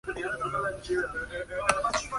El avión estaba destrozado, y no había supervivientes.